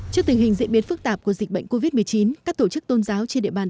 trước tình hình diễn biến phức tạp của dịch bệnh covid một mươi chín các tổ chức tôn giáo trên địa bàn